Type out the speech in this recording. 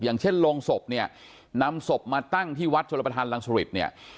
อย่างเช่นโรงศพเนี่ยนำศพมาตั้งที่วัดชลประธานรังสริตเนี่ย